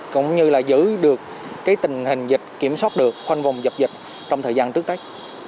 cũng như giữ được tình hình dịch kiểm soát được khoanh vòng dập dịch trong thời gian trước đấy